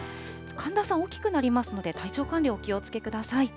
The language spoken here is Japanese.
寒暖差大きくなりますので、体調管理お気をつけください。